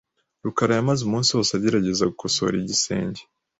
rukara yamaze umunsi wose agerageza gukosora igisenge .